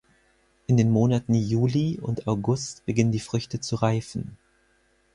In den Monaten Juli und August beginnen die Früchte zu reifen.